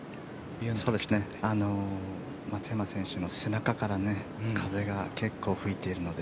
松山選手の背中から風が結構吹いているので。